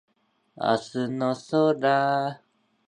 明日の空